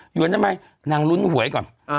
วนทำไมนางลุ้นหวยก่อน